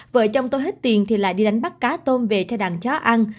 vợ chồng tôi hết tiền thì lại đi đánh bắt cá tôm về cho đàn chó ăn